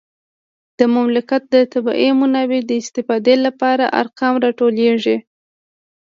د مملکت د طبیعي منابعو د استفادې لپاره ارقام راټولیږي